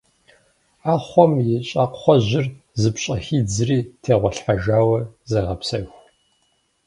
Ӏэхъуэм и щӏакӏуэжьыр зыпщӏэхидзри тегъуэлъхьэжауэ зегъэпсэху.